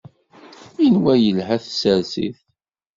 Yenwa yelha tsertit.